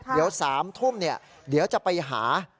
เดี๋ยว๓ทุ่มเดี๋ยวจะไปหา